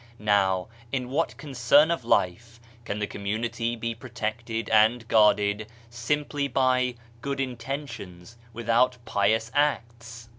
Now, in what concern of life can the community be protected and guarded simply by good intentions, without pious acts?